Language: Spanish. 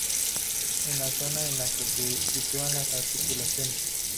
Es la zona en la que se sitúan las articulaciones.